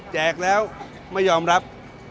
แจกแล้วไม่ยอมรับ